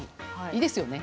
いいですよね。